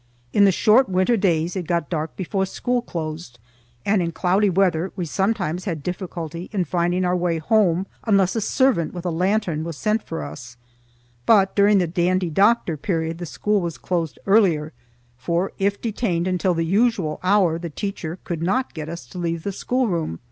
In the short winter days it got dark before school closed, and in cloudy weather we sometimes had difficulty in finding our way home unless a servant with a lantern was sent for us; but during the Dandy Doctor period the school was closed earlier, for if detained until the usual hour the teacher could not get us to leave the schoolroom.